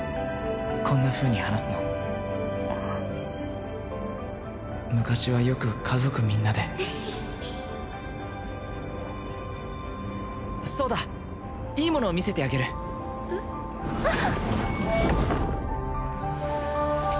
こんなふうに話すの昔はよく家族みんなでそうだいいもの見せてあげるえっわっ！